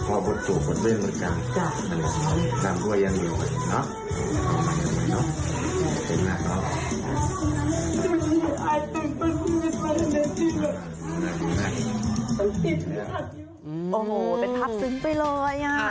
โอ้โหเป็นภาพซึ้งไปเลยอ่ะ